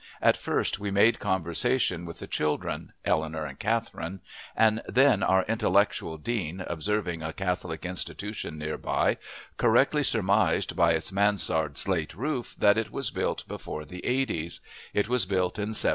At first we made conversation with the children Eleanor and Catherine and then our intellectual dean, observing a Catholic institution nearby, correctly surmised by its mansard slate roof that it was built before the eighties; it was built in '72.